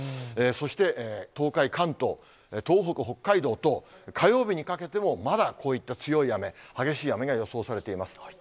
そして東海、関東、東北、北海道等、火曜日にかけても、まだ、こういった強い雨、激しい雨が予想されています。